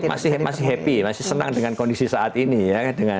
itu artinya kita masih happy masih senang dengan kondisi saat ini ya